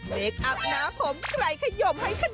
เล็กอัพนะผมไกล่ขยมให้ขนิยะ